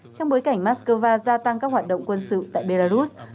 trong bối cảnh moscow gia tăng các hoạt động quân sự tại belarus